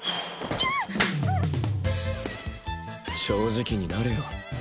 正直になれよ。